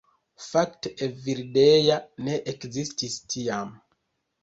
Fakte Evildea ne ekzistis tiam